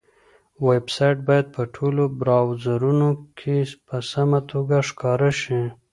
ویب سایټ باید په ټولو براوزرونو کې په سمه توګه ښکاره شي.